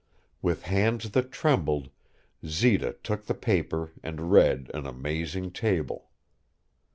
With hands that trembled, Zita took the paper and read an amazing table.